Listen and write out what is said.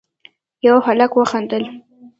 يوه هلک وخندل: